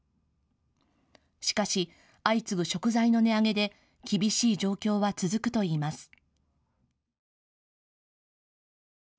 しかし相次ぐ食材の値上げで厳しい状況は続くと言います。